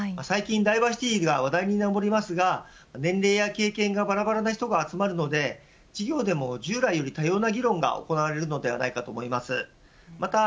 最近、ダイバーシティが話題にのぼりますが年齢や経験がばらばらな人が集まるので授業でも従来より多様な議論が行われるのではないかと思います。